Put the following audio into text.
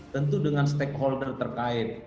tentu dengan stakeholder terkait